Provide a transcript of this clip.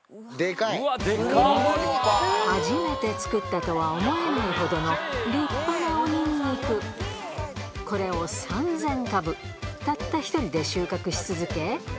初めて作ったとは思えないほどの立派なこれを３０００株たった１人で収穫し続け